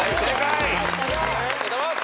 ありがとうございます。